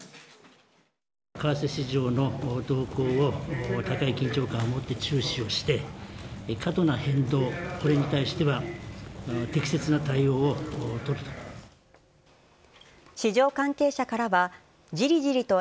為替市場の動向を高い緊張感を持って注視をして、過度な変動、これに対しては適切な対応を取ると。